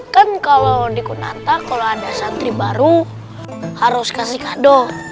kan kalau di kunata kalau ada santri baru harus kasih kado